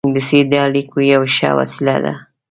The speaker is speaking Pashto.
انګلیسي د اړیکو یوه ښه وسیله ده